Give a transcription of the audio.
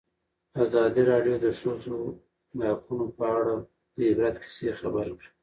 ازادي راډیو د د ښځو حقونه په اړه د عبرت کیسې خبر کړي.